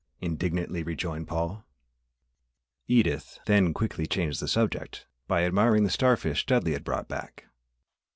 indignantly rejoined Paul. Edith then quickly changed the subject by admiring the star fish Dudley had brought back.